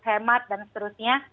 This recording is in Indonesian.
hemat dan seterusnya